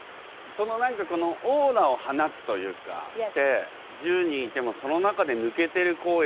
その何かオーラを放つというかって１０人いてもその中で抜けてる子を選ぶわけじゃないですか。